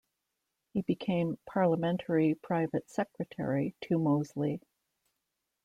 He became Parliamentary Private Secretary to Mosley.